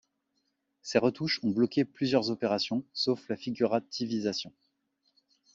Ces retouches ont bloqué plusieurs opérations, sauf la figurativisation.